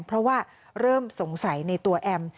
เพราะว่าเริ่มสงสัยในตัวแอม